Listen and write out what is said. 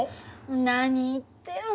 何言ってるの。